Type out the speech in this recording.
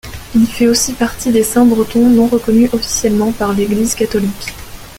Il fait aussi partie des saints bretons non reconnus officiellement par l'Église catholique.